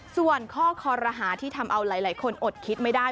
ส่วนข้อคอรหาที่ทำเอาหลายคนอดคิดไม่ได้